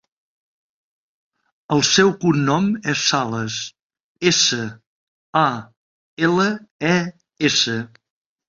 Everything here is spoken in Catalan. El seu cognom és Sales: essa, a, ela, e, essa.